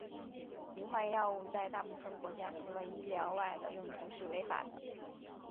迷幻药物在大部分国家除了医疗外的用途是违法的。